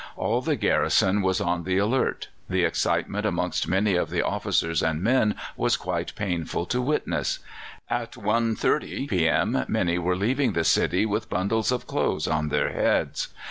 All the garrison was on the alert; the excitement amongst many of the officers and men was quite painful to witness. At 1.30 p.m. many were leaving the city with bundles of clothes on their heads.